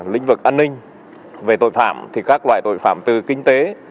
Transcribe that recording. lĩnh vực an ninh về tội phạm thì các loại tội phạm từ kinh tế